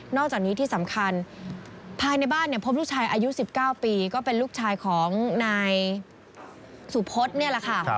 อกจากนี้ที่สำคัญภายในบ้านพบลูกชายอายุ๑๙ปีก็เป็นลูกชายของนายสุพธนี่แหละค่ะ